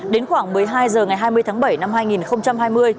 đến khoảng một mươi hai h ngày hai mươi tháng bảy năm hai nghìn hai mươi